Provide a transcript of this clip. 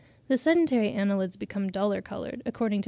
The sedentary annelids become duller coloured, according to M.